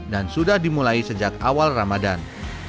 dan sudah dimulai sejak awal ramadan